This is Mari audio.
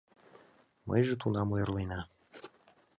Мыйже тунам ойырлена.